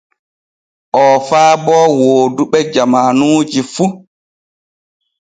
Oo faabo wooduɓe jamaanuji fu.